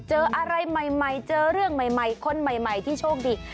เจออะไรใหม่เจอเรื่องใหม่คนใหม่ที่โชคดี